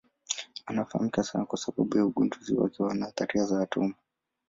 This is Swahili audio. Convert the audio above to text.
Anafahamika sana kwa sababu ya ugunduzi wake wa nadharia ya atomu.